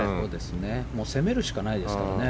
攻めるしかないですからね。